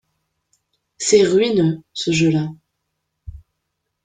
C’est ruineux, ce jeu-là.